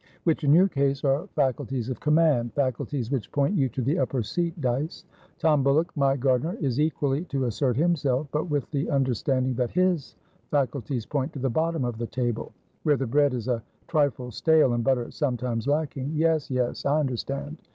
"Which, in your case, are faculties of command, faculties which point you to the upper seat, Dyce. Tom Bullock, my gardener, is equally to assert himself, but with the understanding that his faculties point to the bottom of the table, where the bread is a trifle stale, and butter sometimes lacking. Yes, yes: I understand.